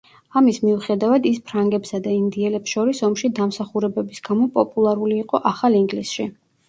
ამის მიუხედავად ის ფრანგებსა და ინდიელებს შორის ომში დამსახურებების გამო პოპულარული იყო ახალ ინგლისში.